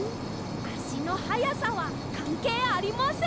あしのはやさはかんけいありません！